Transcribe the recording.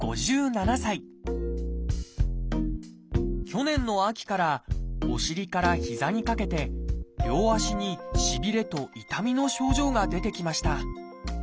去年の秋からお尻から膝にかけて両足にしびれと痛みの症状が出てきました。